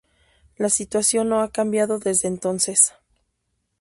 La situación no ha cambiado desde entonces.